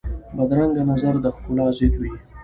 بدرنګه نظر د ښکلا ضد وي